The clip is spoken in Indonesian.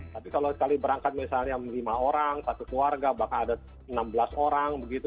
tapi kalau sekali berangkat misalnya lima orang satu keluarga bahkan ada enam belas orang begitu